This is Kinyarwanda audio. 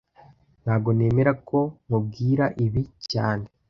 Ntago nemera ko nkubwira ibi cyane